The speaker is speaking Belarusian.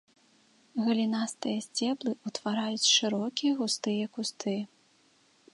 Галінастыя сцеблы ўтвараюць шырокія густыя кусты.